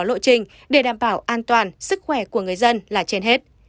lộ trình để đảm bảo an toàn sức khỏe của người dân là trên hết